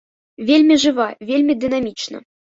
Вельмі жыва, вельмі дынамічна!